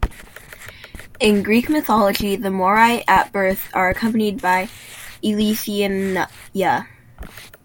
In Greek mythology the Moirai at birth are accompanied by Eileithyia.